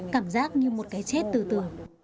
cảm giác như một cái chết từ từ